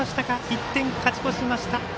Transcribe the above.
１点勝ち越しました。